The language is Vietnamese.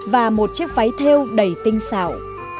và một chiếc váy theo đầy tinh xạo